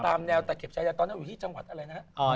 ตามแนวแต่เก็บใช้แต่ตอนนั้นอยู่ที่จังหวัดอะไรนะครับ